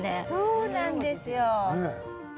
そうなんですよ。